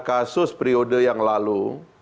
kasus periode yang lalu